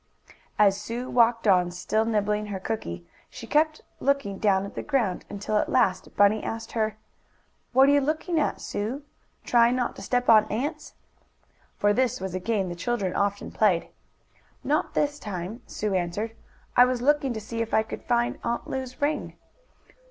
As Sue walked on, still nibbling her cookie, she kept looking down at the ground, until at last Bunny asked her: "What are you looking at Sue trying not to step on ants?" For this was a game the children often played. "Not this time," Sue answered. "I was looking to see if I could find Aunt Lu's ring."